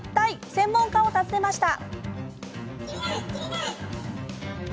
専門家を訪ねました。